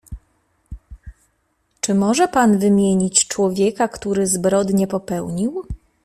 "Czy może pan wymienić człowieka, który zbrodnię popełnił?"